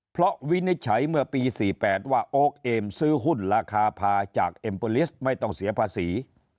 เพราะวินิจฉัยเมื่อปี๔๘ว่าโอ๊คเอมซื้อหุ้นราคาพาจากเอ็มเปอร์ลิสต์ไม่ต้องเสียภาษี